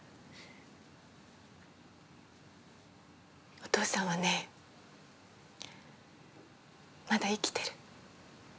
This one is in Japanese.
お父さんはねまだ生きてる。